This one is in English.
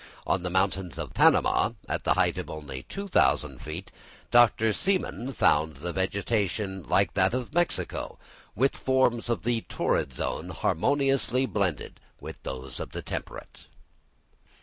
On the mountains of Panama, at the height of only two thousand feet, Dr. Seemann found the vegetation like that of Mexico, "with forms of the torrid zone harmoniously blended with those of the temperate."